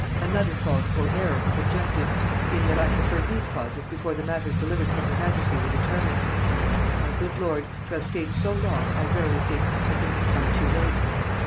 Another fault, or error, is objected; in that I preferred these causes before the matters delivered from her majesty were determined. My good lord, to have stayed so long, I verily think, had been to come too late.